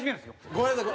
ごめんなさい。